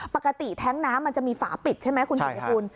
ปกติแท้งน้ำมันจะมีฝาปิดใช่ไหมคุณผู้ชมคุณ